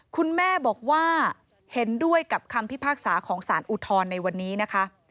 คุณแม่บอกว่าเห็นด้วยกับคำพิพากษาของสารอุทธรณ์ในวันนี้นะคะ